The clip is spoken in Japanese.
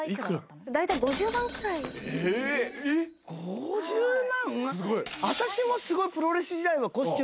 ５０万！？